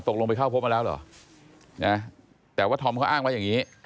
ตกลงไปเข้าพบมาแล้วเหรอแต่ว่าธอมเขาอ้างว่าอย่างนี้